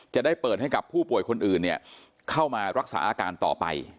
จะได้เปิดให้กับผู้ป่วยคนอื่นเข้ามารักษาอาการต่อไป